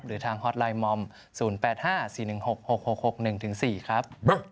หรือทางฮอตไลน์มอม๐๘๕๔๑๖๖๖๖๑๔ครับ